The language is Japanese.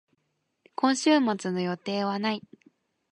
今週末の予定はない。